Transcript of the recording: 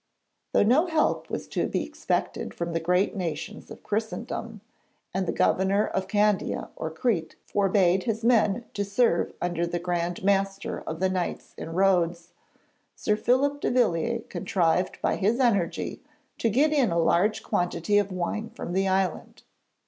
Though no help was to be expected from the great nations of Christendom, and the Governor of Candia or Crete forbade his men to serve under the Grand Master of the Knights in Rhodes, Sir Philip de Villiers contrived by his energy to get in a large quantity of wine from the island.